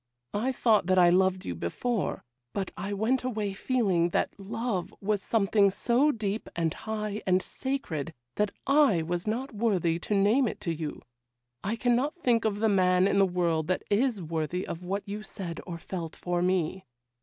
I thought that I loved you before; but I went away feeling that love was something so deep, and high, and sacred, that I was not worthy to name it to you; I cannot think of the man in the world that is worthy of what you said you felt for me.